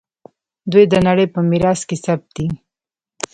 دوی د نړۍ په میراث کې ثبت دي.